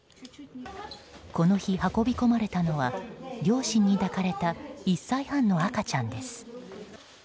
この日運び込まれたのは両親に抱かれた１歳半の赤ちゃんです。